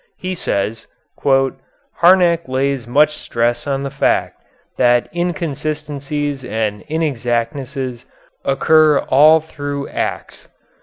He says, "Harnack lays much stress on the fact that inconsistencies and inexactnesses occur all through Acts.